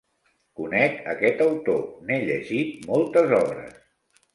Conec aquest autor, n'he llegit moltes obres.